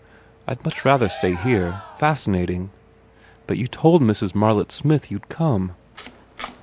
"I d much rather stay here. Fascinating." "But you told Mrs. Marlett Smith you d come."